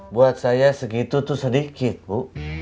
buat saya segitu itu sedikit bu